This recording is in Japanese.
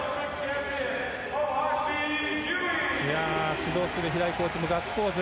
指導する平井コーチもガッツポーズ。